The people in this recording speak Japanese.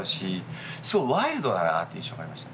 すごいワイルドだなあという印象がありました